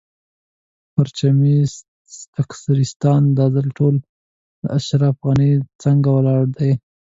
پرچمي سکتریستان دا ځل ټول د اشرف غني تر څنګ ولاړ دي.